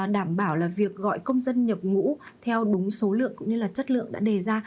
đảm bảo là việc gọi công dân nhập ngũ theo đúng số lượng cũng như là chất lượng đã đề ra